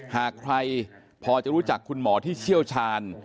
หากใครพอจะรู้จักคุณหมอที่เชี่ยวชาญ